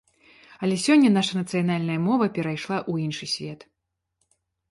Але сёння наша нацыянальная мова перайшла ў іншы свет.